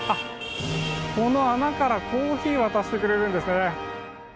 この穴からコーヒーを渡してくれるんですね。